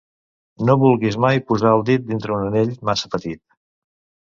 No vulguis mai posar el dit dintre un anell massa petit.